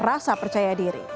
rasa percaya diri